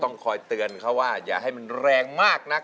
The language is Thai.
คอยเตือนเขาว่าอย่าให้มันแรงมากนัก